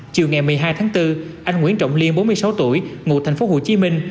chiều ngày một mươi hai tháng bốn anh nguyễn trọng liên bốn mươi sáu tuổi ngụ thành phố hồ chí minh